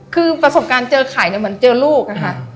คือประสบการณ์เจอไข่เหมือนเจอลูก